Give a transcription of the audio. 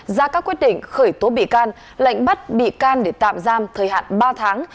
ra các quyết định khởi tố bị can lệnh bắt bị can để tạm giam thời hạn ba tháng